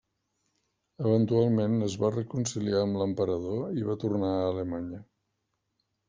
Eventualment es va reconciliar amb l'emperador i va tornar a Alemanya.